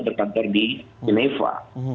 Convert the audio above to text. berkantor di geneva